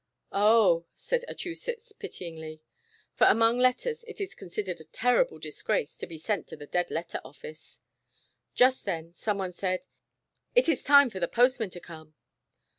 "Oh," said Achusetts pityingly, for among letters it is considered a terrible disgrace to be sent to the dead letter office. Just then, someone said: "It is time for the postman to come."